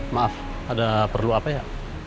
maaf ada perlu apa ya